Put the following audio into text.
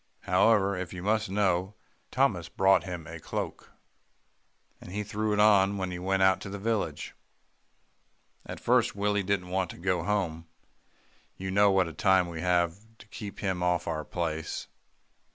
However, if you must know, Thomas brought him a cloak, and he threw it on when we went to the village. "At first, Willie didn't want to go home. You know what a time we have to keep him off our place.